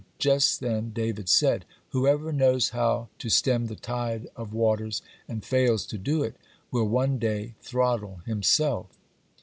Just then David said: "Whoever knows how to stem the tide of waters, and fails to do it, will one day throttle himself."